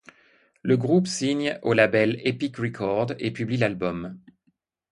Le groupe signe au label Epic Records et publie l'album '.